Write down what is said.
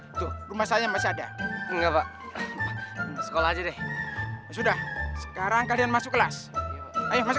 itu rumah saya masih ada enggak pak sekolah aja deh sudah sekarang kalian masuk kelas ayo masuk